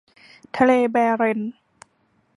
ทะเลแบเร็นตส์